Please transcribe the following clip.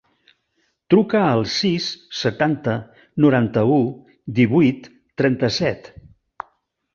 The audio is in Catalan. Truca al sis, setanta, noranta-u, divuit, trenta-set.